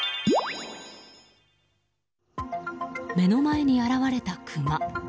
目の前に現れたクマ。